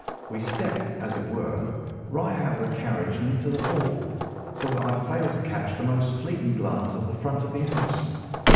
We stepped, as it were, right out of the carriage and into the hall, so that I failed to catch the most fleeting glance of the front of the house.